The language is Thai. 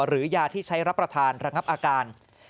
หรือยาที่ใช้รับประทานระงับอาการ